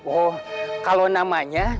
oh kalau namanya